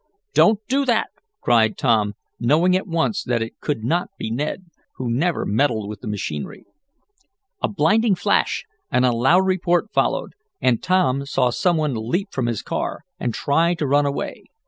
"Don't do that!" cried Tom, knowing at once that it could not be Ned, who never meddled with the machinery. A blinding flash and a loud report followed, and Tom saw some one leap from his car, and try to run away.